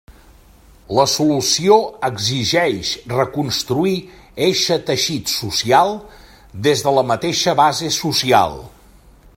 La solució exigeix reconstruir eixe teixit social, des de la mateixa base social.